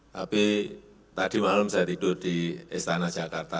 tapi tadi malam saya tidur di istana jakarta